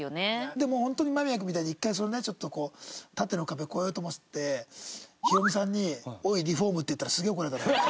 でも本当に間宮君みたいに１回そういうねちょっとこう縦の壁越えようと思ってヒロミさんに「おいリフォーム！」って言ったらすげえ怒られた。